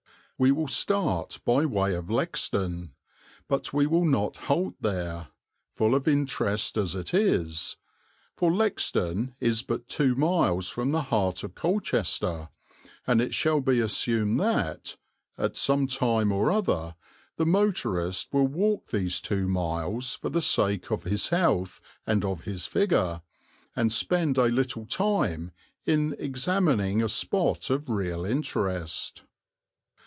We will start by way of Lexden, but we will not halt there, full of interest as it is; for Lexden is but two miles from the heart of Colchester, and it shall be assumed that, at some time or other, the motorist will walk these two miles for the sake of his health and of his figure, and spend a little time in examining a spot of real interest.